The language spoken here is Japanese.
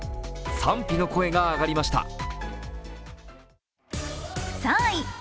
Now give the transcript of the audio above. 賛否の声が上がりました。